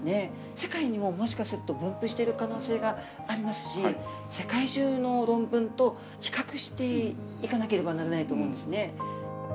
世界にももしかすると分布している可能性がありますし、世界中の論文と比較していかなければならないと思うんですね。